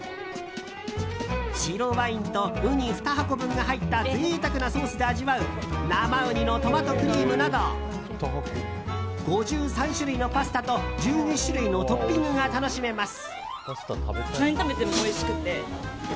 白ワインとウニ２箱分が入った贅沢なソースで味わう生ウニのトマトクリームなど５３種類のパスタと１２種類のトッピングが楽しめます。